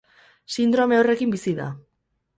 Sindrome horrekin bizi da.